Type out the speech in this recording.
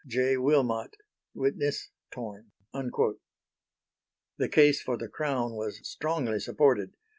"J. Wilmot. Witness (Torn)" The case for the Crown was strongly supported.